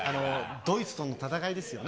ドイツとの戦いですよね。